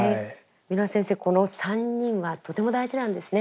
蓑輪先生この３人はとても大事なんですね。